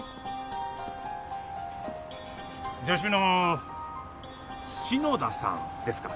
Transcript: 助手の篠田さんですか？